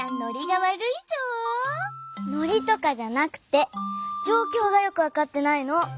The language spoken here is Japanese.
ノリとかじゃなくてじょうきょうがよくわかってないの。